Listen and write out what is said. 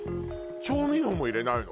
調味料も入れないの？